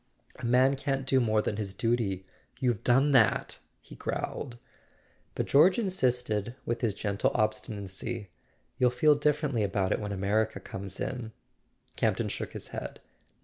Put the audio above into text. .. "A man can't do more than his duty: you've done that," he growled. But George insisted with his gentle obstinacy: "You'll feel differently about it when America comes in." Camp ton shook his head.